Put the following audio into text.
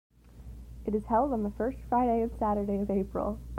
It is held on the first Friday and Saturday of April.